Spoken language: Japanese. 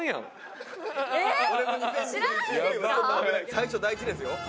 最初大事ですよ。